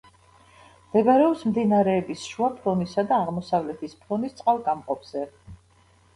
მდებარეობს მდინარეების შუა ფრონისა და აღმოსავლეთის ფრონის წყალგამყოფზე.